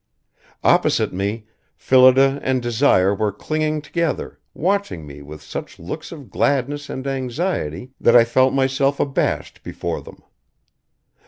Opposite me, Phillida and Desire were clinging together, watching me with such looks of gladness and anxiety that I felt myself abashed before them.